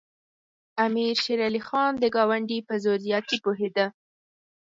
امیر شېر علي خان د ګاونډي په زور زیاتي پوهېده.